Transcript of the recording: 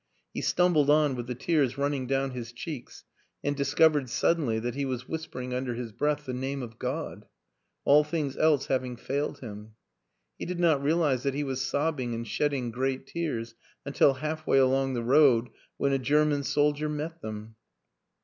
He stumbled on with the tears running down his cheeks, and discovered suddenly that he was whispering under his breath the name of God all things else having failed him. He did not realize that he was sobbing and shedding great tears until halfway along the road when a German soldier met them.